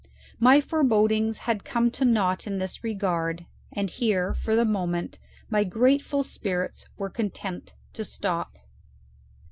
My forebodings had come to nought in this regard, and here for the moment my grateful spirits were content to stop.